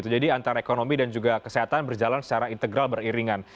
jadi antara ekonomi dan juga kesehatan berjalan secara integral beriringan